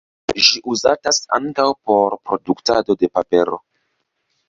Ĝi uzatas ankaŭ por produktado de papero.